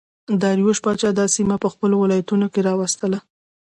داریوش پاچا دا سیمه په خپلو ولایتونو کې راوستله